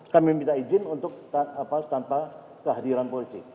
kami minta izin untuk tanpa kehadiran polisi